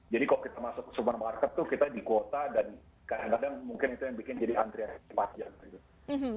jadi kalau kita masuk supermarket itu kita dikuota dan kadang kadang mungkin itu yang bikin jadi antrian panjang